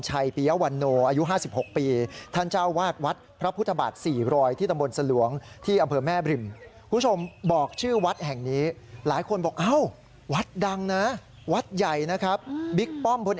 หรือว่าครูบาพอนไชยพียวันโหน